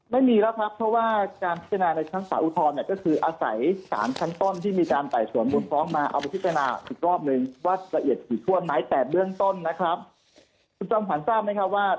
ไม่มีแล้วครับเพราะว่าการพิจารณาในชั้นศาลอุทธรณ์เนี่ยก็คืออาศัยสารชั้นต้นที่มีการไต่สวนมูลฟ้องมาเอาไปพิจารณาอีกรอบนึงว่าละเอียดถี่ถ้วนไหมแต่เบื้องต้นนะครับคุณจอมขวัญทราบไหมครับว่า